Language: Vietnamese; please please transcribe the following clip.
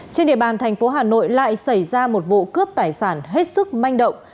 trên địa bàn thành phố hà nội lại xảy ra một vụ cướp tài sản hết sức manh động